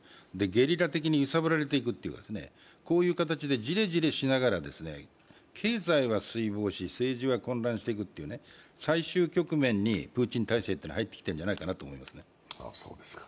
ゲリラ的に揺さぶられていくというかこういう形でじりじりしながら経済は衰亡し、政治は混乱していくという最終局面にプーチン体制は入ってきてるのではないかと思います。